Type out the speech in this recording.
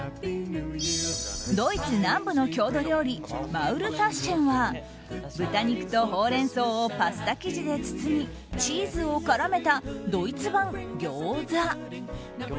ドイツ南部の郷土料理マウルタッシェンは豚肉とホウレンソウをパスタ生地で包みチーズを絡めたドイツ版ギョーザ。